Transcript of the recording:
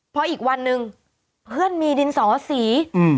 เพราะอีกวันหนึ่งเพื่อนมีดินศอศรี